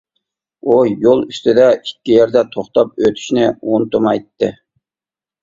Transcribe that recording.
ئۇ يول ئۈستىدە ئىككى يەردە توختاپ ئۆتۈشنى ئۇنتۇمايتتى.